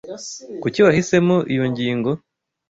Kuki wahisemo iyo ngingo?